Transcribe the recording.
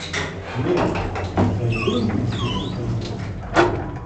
Нет, да и Долли ничего не поймет.